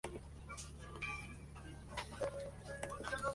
Boris logró superar su desventaja y organizó la iglesia búlgara.